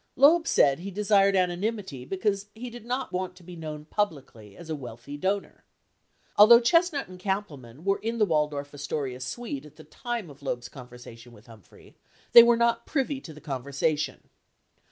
102 Loeb said he desired anonym ity because he did not want to be known publicly as a wealthy donor. Although Chestnut and Kampelman were in the Waldorf Astoria suite at the time of Loeb's conversation with Humphrey, they were not privy to the conversation.